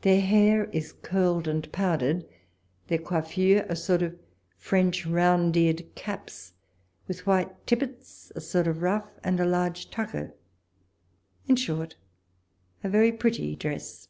Their hair is curled and powdered, their coiffure a sort of French round eared caps, with white tippets, a sort of ruff and a large tucker: in short, a very pretty dress.